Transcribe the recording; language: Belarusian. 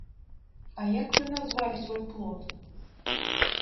А як вы назвалі свой плод?